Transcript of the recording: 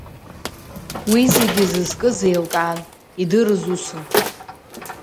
Уи зегьы зызкыз еилкаан, идырыз усын…